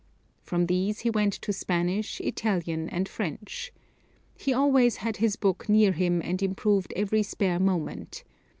From these he went to Spanish, Italian and French. He always had his book near him and improved every spare moment.